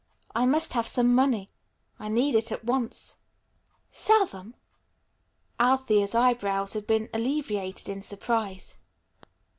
I must have some money. I need it at once." "Sell them?" Althea's eye brows had been elevated in surprise.